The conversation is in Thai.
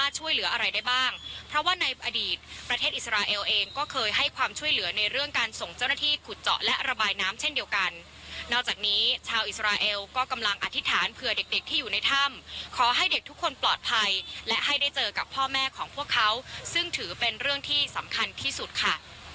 กันนอกจากนี้ชาวอิสราเอลก็กำลังอธิษฐานเพื่อเด็กที่อยู่ในถ้ำขอให้เด็กทุกคนปลอดภัยและให้ได้เจอกับพ่อแม่ของพวกเขาซึ่งถือเป็นเรื่องที่สำคัญที่สุดค่ะ